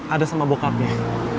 ada sama bokapnya